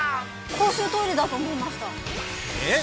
公衆トイレだと思いましたえっ！？